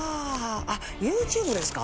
あっＹｏｕＴｕｂｅですか？